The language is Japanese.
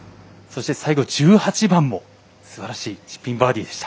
最後、１８番もすばらしいチップインバーディーでした。